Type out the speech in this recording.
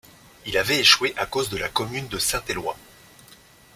Il avait échoué à cause de la commune de Saint-Éloi.